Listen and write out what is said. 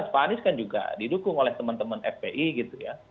pak anies kan juga didukung oleh teman teman fpi gitu ya